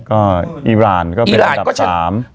ก็อิร่านก็เป็นอันดับ๓